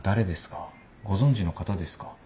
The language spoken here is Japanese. ご存じの方ですか？